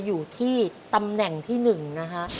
อยู่ที่ตำแหน่งที่๑นะฮะ